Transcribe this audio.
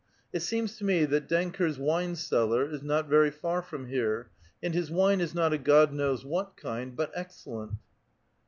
It seems to me that Denker's wine cellar is not very far from here, and his wine is not a God knows what kind, but excellent."